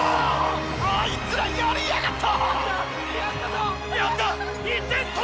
あいつらやりやがった！